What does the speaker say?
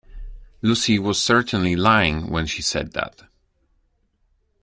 Lucy was certainly lying when she said that.